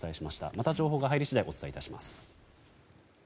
また情報が入り次第お伝えします。